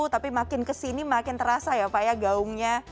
tapi makin kesini makin terasa ya pak ya gaungnya